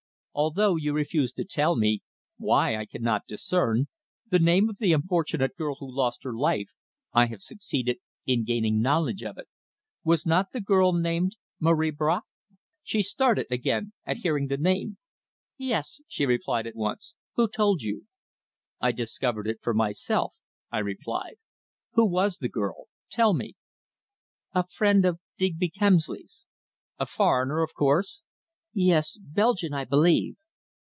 Although you refused to tell me why, I cannot discern the name of the unfortunate girl who lost her life, I have succeeded in gaining knowledge of it. Was not the girl named Marie Bracq?" She started again at hearing the name. "Yes," she replied at once. "Who told you?" "I discovered it for myself," I replied. "Who was the girl tell me?" "A friend of Digby Kemsley's." "A foreigner, of course?" "Yes, Belgian, I believe."